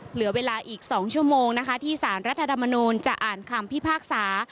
เหลือเวลาอีก๒ชั่วโมงนะคะที่สารรัฐธรรมนูลจะอ่านคำพิพากษา